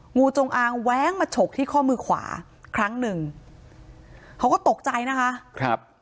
งูจงอางแว้งมาฉกที่ข้อมือขวาครั้งหนึ่งเขาก็ตกใจนะคะครับ